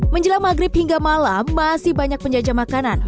menjelang maghrib hingga malam masih banyak penjajah makanan